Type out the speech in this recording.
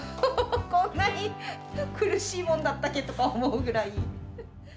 こんなに苦しいものだったっけとか思うぐらい。